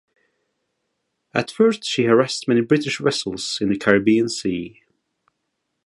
At first she harassed many British vessels in the Caribbean Sea.